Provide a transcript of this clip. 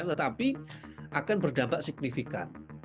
tetapi akan berdampak signifikan